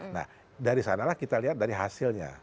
nah dari sanalah kita lihat dari hasilnya